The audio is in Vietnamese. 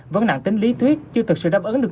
vẫn nặng tính lý thuyết chưa thực sự đáp ứng được